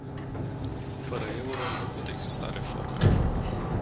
Fără euro nu pot exista reforme.